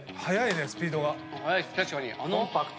確かに。